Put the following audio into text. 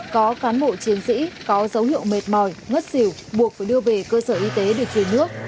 có cán bộ chiến sĩ có dấu hiệu mệt mỏi ngất xỉu buộc phải đưa về cơ sở y tế để giữ nước